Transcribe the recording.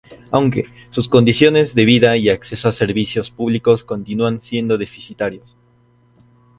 Aunque, sus condiciones de vida y acceso a servicios públicos continúan siendo deficitarios.